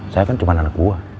saya kan cuma anak buah